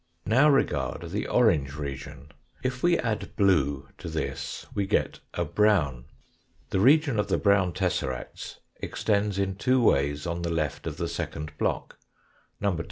Now regard the orange region ; if we add blue to this we get a brown. The region of the brown tesseracts extends in two ways on the left of the second block, No.